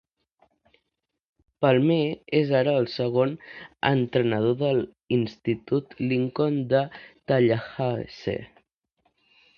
Palmer és ara el segon entrenador de l'institut Lincoln de Tallahassee.